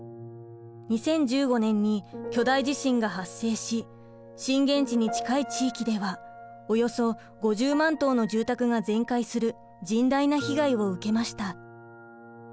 ２０１５年に巨大地震が発生し震源地に近い地域ではおよそ５０万棟の住宅が全壊する甚大な被害を受けました。